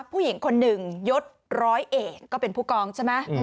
ผู้หญิงคนหนึ่งยศร้อยเอกก็เป็นผู้กองใช่ไหม